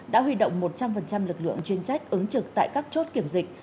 đã huy động một trăm linh lực lượng chuyên trách ứng trực tại các chốt kiểm dịch